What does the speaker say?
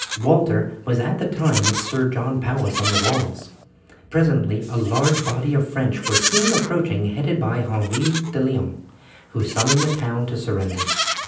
Walter was at the time with Sir John Powis on the walls. Presently a large body of French were seen approaching headed by Henry de Leon, who summoned the town to surrender.